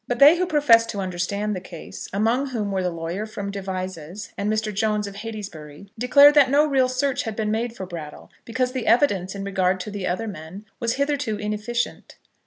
But they who professed to understand the case, among whom were the lawyer from Devizes and Mr. Jones of Heytesbury, declared that no real search had been made for Brattle because the evidence in regard to the other men was hitherto inefficient.